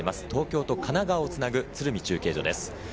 東京都を神奈川をつなぐ鶴見中継所です。